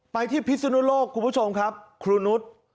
ไปที่พิสุนโลกครูผู้ชมครับครูนุษย์